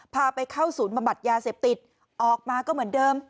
พาไปเข้าศูนย์บำบัดยาเสพติดออกมาก็เหมือนเดิม